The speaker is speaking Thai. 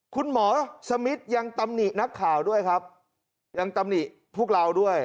คุณหมอสมิทยังตำหนินักข่าวด้วยครับยังตำหนิพวกเราด้วย